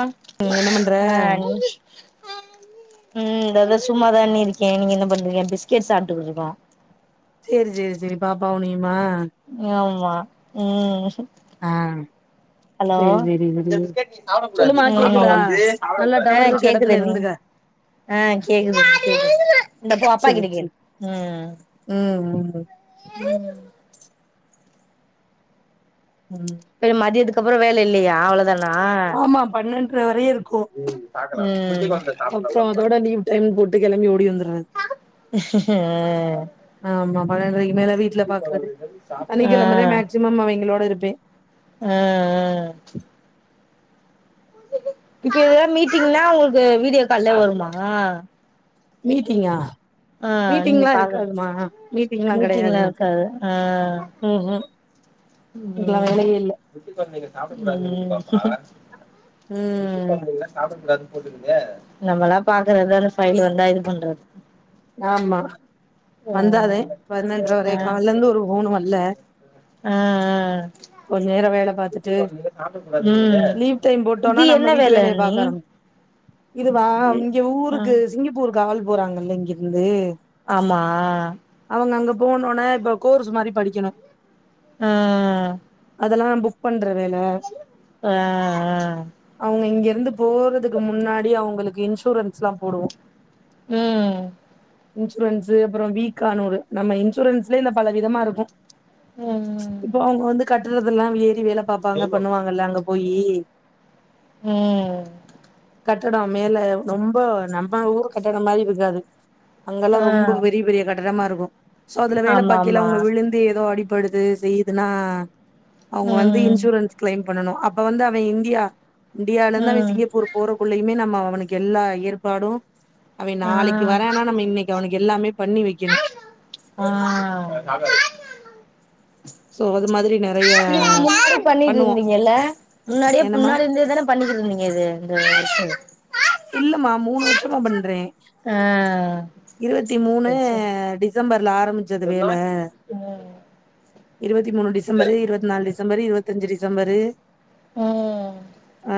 ஆ ம் என்ன பண்ற அ அண்ணி ம் இந்ததோ சும்மாதா அண்ணி இருக்கே நீங்க என்ன பண்றீங்க பிஸ்கெட் சாப்ட்டுக்கிட் இருக்கோ சேரி சேரி சேரி பாப்பாவு நீயும்மா ஆமா ம் அ ஹலோ ம் சொல்லுமா கேக்குதா நல்லா டவர் அ இருக்க கேக்குது எடத்துல அண்ணி இருந்துக்க ஆ கேக்குது கேக்குது இந்த போ அப்பா சேரி சேரி கிட்டக்கேளு உம் ம் ம் ம் அப்றோ மதியதுக்கப்றோ வேல இல்லையா அவ்ளோதா னா ஆமா பன்னெண்ட்ர வரையு இருக்கு ம் டைம் போட்டு கெளம்பி ஓடி வந்துட்ரது அ ஆமா பன்னெட்ரைக்கு மேல வீட்ல பாக்றது ஆ ஆ சனிக்கிழமைதா மேக்சிமம் அவைங்களோட இருப்பே அ அ இப்ப எதா மீட்டிங்னா உங்களுக்கு வீடியோ கால்லே வருமா மீட்டிங்கா ஆ நீங்க மீட்டிங்ல்லா பாக்குற இருக்காதுமா மீட்டிங்ல்லாம் கெடையாது மீட்டிங்லா எனக்கு இருக்காது ஆ ம் ம் இதுக்லா வேலையே இல்ல குட்டி கொழந்தைங்க சாப்ட கூடாதுன்வாங்க ம் குழந்தைங்க சாப்டக்கூடாது நம்மலா பாக்குறத பைல் வந்தா இது பண்றது ஆமா வந்தாதே ஆ பன்னெண்ட்ர வரையு கால்ல இருந்து ஒரு அ ஃபோனு வல்ல ஆ அ கொஞ்ச நேரம் வேல பாத்துட்டு ம் லீவ் டைம் இது போட்டோம்னா என்ன நம்ம வீட்டு வேல வேலைய அண்ணி பாக்க ஆரம்பிக் இதுவா இங்க ஆ ஊருக்கு சிங்கப்பூருக்கு ஆள் போறாங்கல்ல இங்கருந்து ஆமா அவங்க அங்க போனோன இப்ப கோர்ஸ் மாரி படிக்கணும் ஆ அதல்லாம் புக் பண்ற வேல ஆ ஆ அவங்க இங்க இருந்து போறதுக்கு முன்னாடி அவங்களுக்கு இன்சூரன்ஸ்லாம் போடுவோ ம் இன்சூரன்ஸ்ஸு அப்புறம் வீக்கான்னு ஒரு நம்ம இன்சூரன்ஸ்லய இந்த பல விதமா இருக்கும் ம் இப்போ அவங்க வந்து கட்டுறது எல்லா ஏறி வேலை பாப்பாங்க பண்ணுவாங்கல்ல அங்க போயி ம் கட்டடம் மேல ரொம்ப நம்ம ஊர் கட்டடம் மாரி இருக்காது ஆ அங்கல்லாம் ரொம்ப பெரிய பெரிய கட்டடமா இருக்கும் சோ அதுல வேல பாக்கயில ஆமாமா அவங்க விழுந்து ஏதோ அடிபடுது செய்யுதுன்னா அவங்க வந்து ம் இன்சூரன்ஸ் கிளைம் பண்ணனும் அப்ப வந்து அவன் இந்தியா இந்தியாலந்து அவன் ம் சிங்கப்பூர் போறக்குள்ளயுமே நம்ம அவனுக்கு எல்லா ஏற்பாடும் அவன் ஆ நாளைக்கு வரனா நம்ம இன்னைக்கு இங்க அவனுக்கு எல்லாமே பண்ணி வக்கணும் ஆ சோ அது மாதிரி நேர நீங்க முன்னாடி பண்ணிட்டுருந்தீங்கல்ல முன்னாடியே என்னம்மா முன்னாடி இருந்த தானே பண்ணிட்டு இருந்தீங்க இது இந்த வொர்க்கு இல்லமா மூணு வருஷமா பண்றேன் ஆ இருவத்தி மூணு சரி சரி டிசம்பர்லே ஆரம்ச்சது வேல ம் இருவத்தி மூணு டிசம்பரு இருவத் நாலு டிசம்பரு இருவதஞ்சு டிசம்பரு ம் ஆ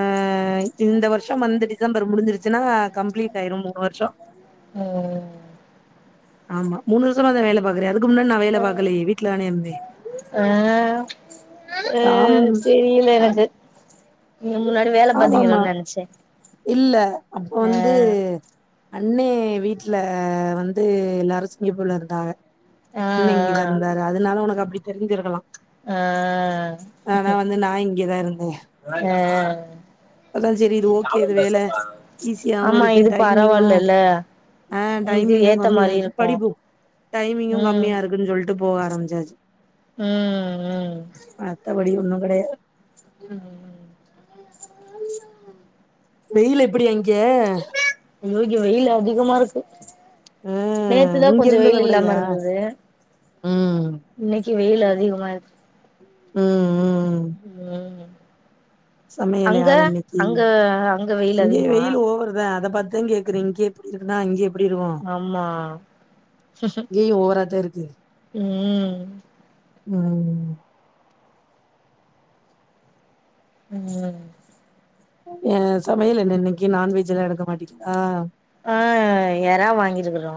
இந்த வர்ஷம் வந்து டிசம்பர் முடி்சிருச்சுனா கம்ப்ளீட் ஆயிரும் மூணு வருஷம் ம் ஆமா மூணு வருசமா தா வேல பாக்கறேன் அதுக்கு முன்னாடி நான் வேலை பாாக்கலயே வீட்லதானே இந்தேன் ஆ அ ஆம் சரில்ல ஆம் எனக்கு நீங்க முன்னாடி வேல ஆமாமா பாத்தீங்களோன்னு நெனச்சே இல்ல அப்ப ஆ வந்து அண்ணே வீட்டுல வந்து எல்லா வந்து சிங்கப்பூர்ல இருந்தாங்க ஆ அண்ண இங்கே தா இருந்தாரு அதனால உனக்கு அப்டி தெரி்சிருக்கலாம் ஆ ஆனா வந்து நா இங்கதா இருந்த ஆ இது ஓகே இது வேல ஈஸியாவும் ஆமா இருக்கு இது டைமிங்கும் பரவாயில்லல்ல ஆ உங்களுக்கு டைமிங்கும் ஏத்த கம்மியா மாரி இருக்கு இருக்கும் படிப்பும் டைமிங்கும் கம்மியா இருக்குன்னு சொல்ட்டு போக ஆரம்ச்சாச்சு ம் ம் மத்த படி ஒண்ணு கெடையாது ம் ம் வெயில் எப்டி அங் ஐயோ இங்கே வெயில் அதிகமா இருக்கு ஆ நேத்துதா இங்க கொஞ்சோ இருந்தத வெயில் விடயா? இல்லாம இருந்தது ம் இன்னைக்கு வெயில் அதிகமா இருக்கு ம் ம் ம் சமையல் அங்க யாரு இன்னிக்கு அங்க அங்க வெயில் இங்கேயு அதிகமா வெயில் ஓவர்தா அத பார்த்துதா கே இரு இங்கே இப்படி இருக்குன்னா அங்கே எப்டி இருக்கு ஆமா இங்கேயு ஓவராதா இருக்கு ம் ம் ம் ஏ சமையல் என்ன இன்னைக்கு நான்வெஜ் எல்லா எடுக்க மாட்டிங்களா ஆ எறா வாங்கிருக்குறோ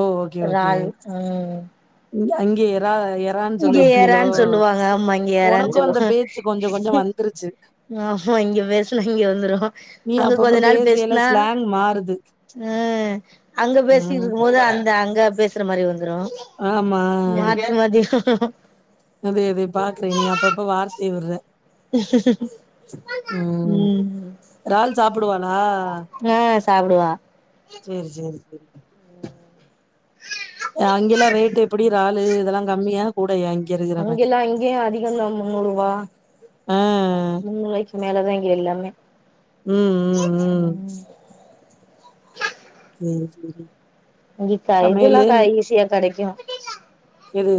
ஓ! எறால் ம் அங்கே எறா எ இங்க ஏறான்னு சொல்லுவாங்க ஆம்மா இங்க ஏறானு உனக்கும் அந்த சொல்லுவாங்க பேச்சு கொஞ்சம் கொஞ்சம் வந்துருச்சு. ஆமா இங்க பேசுனா இங்க வந்துரு நீ அங்க அப்பப்ப கொஞ்ச நாள் பேசையில பேசுனா ஸ்லாங் மாறுது. ம் அங்க பேசிட்டு ம். இருக்கு போது அந்த அங்க பேச மாதிரி வந்துரு ஆமா. மாத்தி மாத்தி அதே அதே பாக்குறே நீ அப்பப்ப வார்த்தைய விட்ர ம் எறால் சாப்பிடுவானா ஆ சாப்டுவா செரி செரி செரி அங்கெல்லா ரேட் எப்டி எறாலு இதெல்லா கம்மியா கூடயா இருக்கிற அங்க மாரி எல்லா இங்கேயு அதிகோ தா மூன்னூறு ரூபா ஆ முன்னூறுபாய்க்கு மேலதா இங்கே எல்லாமே ம் ம் ம் செரி செரி இங்க இதெல்லா கா ஈசியா கெடைக்கு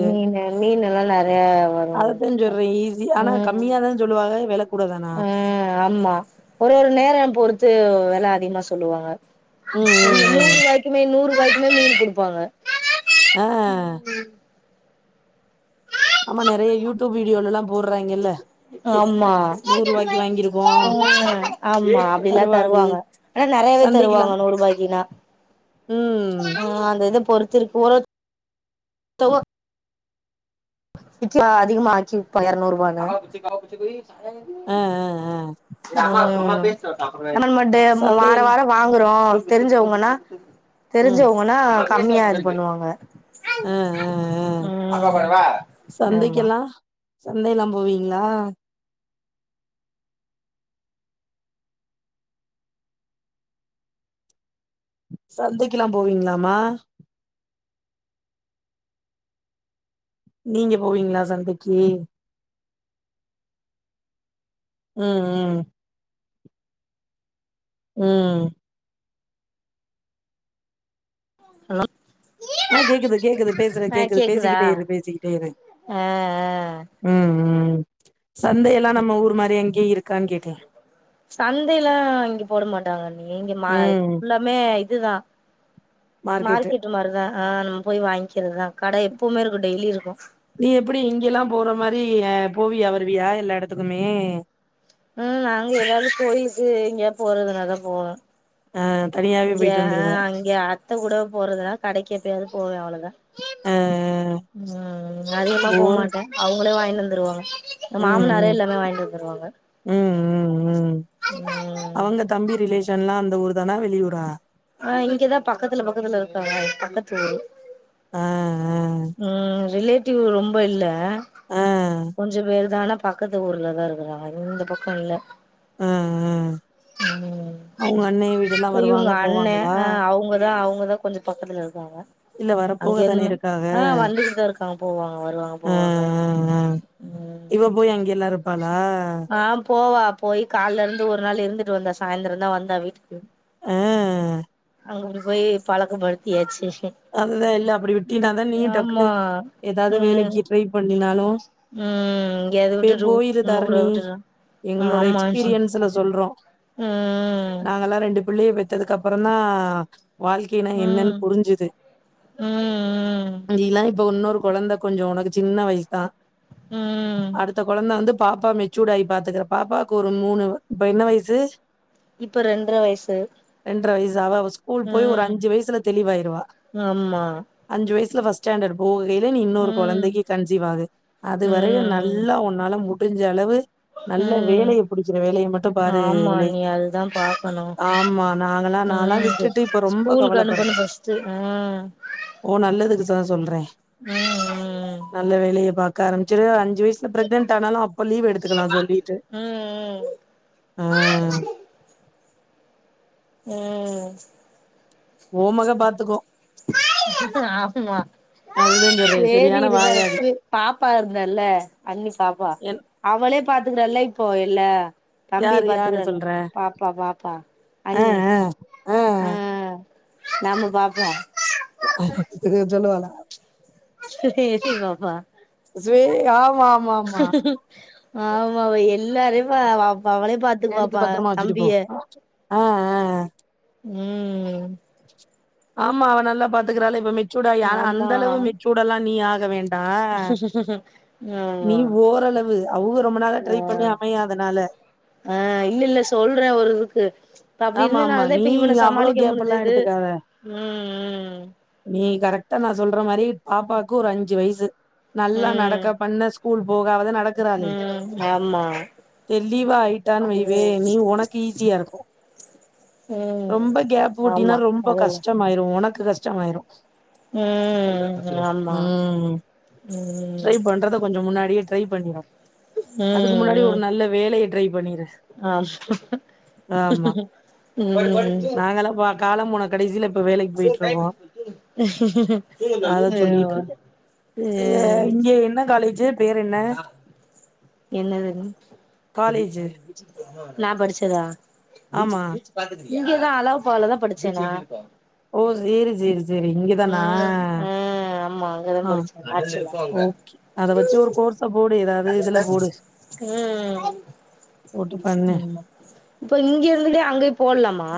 மீனு மீன் எல்லா நெறைய வரு அதத்தே சொல்றே ஈஸி ஆனா ம் கம்மியாதா சொல்லுவாங்க வெள ஆ ஆமா ஒரு ஒரு நேரோ பொறுத்து வெல அதிகமா சொல்லுவாங்க ம் ம் நூறு ம் ரூபாய்க்குமே நூறு ரூபாய்க்குமே மீனு கொடுப்பாங்க ஆ ஆமா நெறைய யூடுப் வீடியோல எல்லா போடுறாய்ங்க இல்ல ஆமா ஆ ஆமா அப்டிலா கருவாடு தருவாங்க ஆனா நெறையவே சந்தைக்குலா தருவாங்க நூறு ரூபாய்க்குனா ம் ஆ அந்த இத பொறுத்து இருக் போற [unintelligible] பிட்சா அதிகமா ஆச்சு இப்ப எரநூறுவானு ஆ ஆ ஆ வாரோ சந்தையெல்லா வாரோ வாங்குறோ தெரிஞ்சவங்கன்னா ம் தெரிஞ்சவங்கன்னா கம்மியா இது பண்ணுவாங்க ஆ ஆ ஆ ம் அப்பா போட வா சந்தைக்கெல்லா சந்தையெல்லாம் போவீங்களா சந்தைக்குல்லாம் போவீங்களாமா நீங்க போவீங்களா சந்தைக்கு ம் ம் ம் ஹலோ ஆ கேக்குது கேக்குது பேசற ஆ கேக்குது கேக்குதா பேசிகிட்டே இரு பேசிகிட்டே இரு ஆ ஆ ம் ம் சந்தை எல்லாம் நம்ம ஊரு மாரி அங்கேயே இருக்கான்னு கேட்டேன் சந்த எல்லாம் இங்க போட மாட்டாங்க நீங்க மா ம் ஃபுல்லாமே இதுதான் மார்க்கெட்டு மார்க்கெட் மாரிதா ஆ நம்ம போய் வாங்கிறதுதான் கடை எப்பவுமே இருக்கு டெய்லி இருக்கும் நீ எப்டி இங்கெல்லா போற மாரி போவியா வருவியா எல்லா எடத்துக்குமே ம் நாங்க எதாவது கோயிலுக்கு எங்கியா போறதுனா தா போவோம் ஆ இங்கய அங்கே அத்த கூட போறதுனா கடைக்கு எப்பியாவது போவே அவ்ளோதான் ஆ ஆ ம் அ அ அதிகமா போமாட்டே அவுங்களே வாங்கினு வந்துருவாங்க ஏ ம் மாமனாரே ம் எல்லாமே வாங்கி வருவாங்க ம் ம் ம் ம் அவங்க தம்பி ரிலேஷன்லா அந்தஊர் தானா வெளி ஊரா ஆ இங்கதான் பக்கத்துல பக்கத்துல இருக்காங்க பக்கத்து ஊரு ஆ ஆ ம் ரிலேடிவ் ரொம்ப இல்ல ஆ ஆ கொஞ்ச பேர்தா ஆனா பக்கத்து ஊர்லதான் இருக்குறாங்க இந்த பக்கோ இல்ல ஆ ஆ ம் அவங்க அண்ணே வீடெல்லா இப்ப இவங்க வருவாங்க அண்ண போவாங்களா ஆ அவுங்கதான் அவுங்கதான் கொஞ்ச பக்கத்ல இருக்காங்க இல்ல அங்க வரப்போகதானே இருந்துமே இருக்காக ஆ வந்துட்டுதான் இருக்காங்க போவாங்க வருவாங்க ஆ போவாங்க ஆ ம் இவ போய் அங்கெல்லா இருப்பாளா ஆ போவா போய் கால்ல இருந்து ஒரு நாள் இருந்துட்டு வந்தா சாய்ந்தரம் தா வந்தா வீட்டுக்கு ஆ அங்கட்டு போய் பழக்க படுத்தியாச்சு அதுதான் இல்ல அப்டி விட்டினாதா நீயும் டக்குனு ஏதாவது ம் வேலைக்கு ட்ரை பண்ணினாலும் ம் எங்கயாவது இப்பே விட்டுட்டு போயிரு நம்ம கூட தரணி விட்டுறா எங்களோடய ஆமா ஆன்ட்டி எக்ஸ்பீரியன்ஸ்ல சொல்றோ ம் நாங்கல்லா ரெண்டு பிள்ளைய பெத்ததுக்கு அப்புற தா வாழ்க்கையன்னா என்னன்னு புரிஞ்சுது ம்ம் நீல்லா இப்ப ஒன்னொரு குழந்த கொஞ்சோ உனக்கு சின்ன வயசு தா ம் அடுத்த குழந்தை வந்து பாப்பா மெச்சூட் ஆகி பாத்துக்கற பாப்பாவுக்கு ஒரு மூணு இப்ப என்ன வயசு இப்ப ரெண்டர வயசு ரெண்டர வயசு அதா அவ ஸ்கூல் போய் ஒரு ம் அஞ்சு வயசுல தெளிவாய்டுவா ஆமா அஞ்சு வயசுல ஃபஸ்ட் ஸ்டாண்டர்ட் போகையில நீ இன்னொரு ம் கொழந்தைக்கு கன்சிவ் ஆகு அது வரையும் ம் நல்லா உன்னால முடிஞ்ச அளவு நல்ல ம் வேலைய புடிச்ச வேலைய மட்டு பாரு ஆமா இவளே அண்ணி அதுதான் பாக்கணும் ஆமா நாங்களா நான்ல்லா விட்டுட்டு இப்ப ரொம்ப கவலைப்படுற செரி அ உ நல்லதுக்சா சொல்றே உம் நல்ல வேலைய பாக்க ஆரம்பிச்சுரு அஞ்சு வய்ஸ் இந்த பிரக்னென்ட் ஆனாலும் அப்ப லீவ் எடுத்துக்கலா சொல்லிட்டு ம் ஆ ம் ஓ மக பாத்துக்கோ ஆமா அதுதா சொல்றே வேதி சரியான இருந்தா வாயாடி எடத்துல பாப்பா இருந்தால்ல அண்ணி பாப்பா என் அவளே பாத்துக்கறால இப்போ இல்ல தம்பிய யாரு யாரு பாத்துக்கறால சொல்ற பாப்பா பாப்பா ஆ அன்னு ஆ ஆ நாம பாபோ இது சொல்லவல சேரிபாப்பா ஸ்வே ஆமா ஆமா ஆமா ஆமா எல்லாரையு அவ அவளே எடுத்து பாத்துக்குவாப்பா பத்திரமா வச்சுட்டு போ தம்பிய ஆ ஆ ஆ ம் ஆமா அவ நல்லா பாத்துக்கிறாள இப்ப மெச்சூடாயி ஆனா அந்த அளவு ஆமா மெச்சூல்லா நீ ஆக வேண் டா ஆமா நீ ஓரளவு அவ்க ரொம்ப நாள ஆ ட்ரை பண்ணி அமைய அதனால ஆ இல்ல இல்ல சொல்ற ஒரு இதுக்கு இப்ப அப்டி ஆமா ஆமா இருந்ததுனாலதே நீ இப்ப இவன அவ்ளோ சமாளிக்க கேப் எல்லா முடிஞ்சுது எடுத்துக்காத து ம் ம் நீ கரெக்டா நா சொல்ற மாரி பாப்பாக்கு ஒரு அஞ்சு வயசு நல்லா ம் நடக்க பண்ண கூல் போகஅவது நடக் ம் ஆமா தெளிவா ஆயிட்டான் வைவே ம் நீ உனக்கு ஈஸியா இருக்கு ம் ரொம்ப கேப் உட்டினா ஆமா ரொம்ப அதுவு கஷ்டமாயிரு ஒனக்கு ரெஷ்டமாயிரு ம் ஆமா ம் ம் ட்ரை பண்றத கொஞ்சோ முன்னாடியே ட்ரை பண்ணுங்க அதுக்கு முன்னாடி ஒரு நல்ல வேலையை ட்ரை பண்ணிரு ஆ ஆமா உம் நாங்கல்லா பா காலம் போன கடைசியில இப்ப வேலைக்கு போயிட்டுருக்கோ ம் அத சொல்லிட்ருக்கே இல்ல இங்கே என்ன காலேஜு பேர் என்ன என்னதுது காலேஜு நா படிச்சதா ஆமா இங்கதா அழகப்பா ல தா படிச்சேன்னா ஓ ஜேரி ஜேரி ஜேரி இங்கதானா ம் ஆ அசேர்டா ஓகே அத வச்சு ஒரு கோர்ஸ போடு ஏதாவது இதுல போடு ம் ஆமா போட்டு பண்ணு இப்ப இங்க இருந்தே அங்கே போடலாமா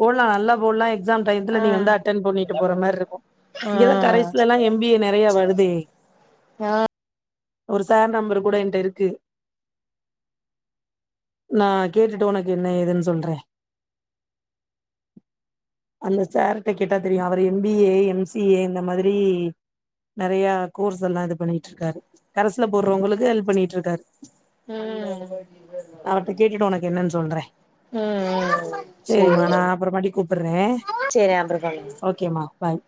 போட்லா நல்லா போட்லா எக்ஸாம் டைத்துல நீ வந்து அட்டெண்ட் பண்ணிட்டு போற மாரி இருக்கு ஆ இங்கதா கரேசுலலா எம் பி ஏ நெறய வருதே ஆ ஒரு சார் நம்பர் கூட என்ட்ட இருக்கு நா கேட்டுட்டு உனக்கு என்ன ஏதுன் சொல்றே அந்த சார்ட்ட கேட்டா தெரியு அவர் M B A M C A இந்த மாதிரி நெறயா கோர்ஸ் எல்லா இது பண்ணிட் இருக்காரு கரஸ்ல போடுறவங்களுக்கு ஹெல்ப் பண்ணிட்டு இருக்காரு ம் அவர்ட்ட கேட்டுட்டு உனக்கு என்னன் சொல்றே ம் ம் சரிமா சேரி நா அப்புறமாட்டி கூப்பட்றே சேரி அப்றோ பண்ணுங்க ஓகே மா பாய்